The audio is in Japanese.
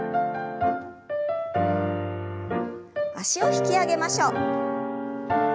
脚を引き上げましょう。